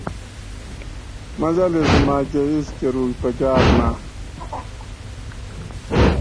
مجلس ماکہ اِج پا کۤروگ پکار نہ